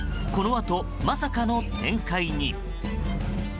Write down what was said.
このあと、まさかの展開に。